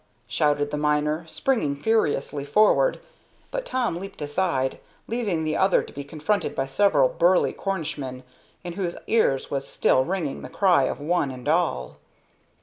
shouted the miner, springing furiously forward; but Tom leaped aside, leaving the other to be confronted by several burly Cornishmen, in whose ears was still ringing the cry of "One and all!"